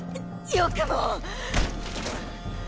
よくも！